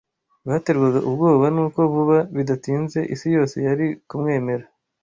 Baterwaga ubwoba n’uko vuba bidatinze isi yose yari kumwemera,